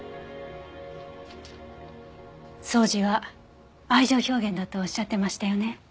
掃除は愛情表現だとおっしゃってましたよね。